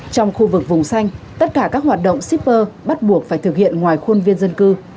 trong khu vực vùng xanh tất cả các hoạt động shipper bắt buộc phải thực hiện ngoài khuôn viên dân cư